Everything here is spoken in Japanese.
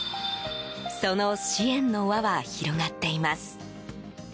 その支援の輪は広がっています。